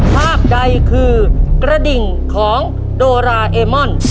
ภาพใดคือกระดิ่งของโดราเอมอน